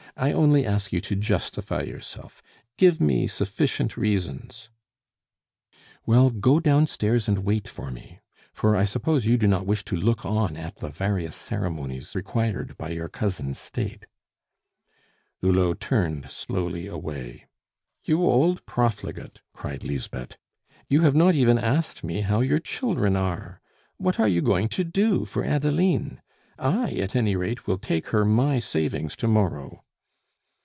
I only ask you to justify yourself. Give me sufficient reasons " "Well, go downstairs and wait for me; for I suppose you do not wish to look on at the various ceremonies required by your cousin's state." Hulot slowly turned away. "You old profligate," cried Lisbeth, "you have not even asked me how your children are? What are you going to do for Adeline? I, at any rate, will take her my savings to morrow."